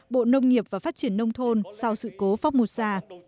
bộ nông nghiệp và phát triển nông thôn sau sự cố phong mô sa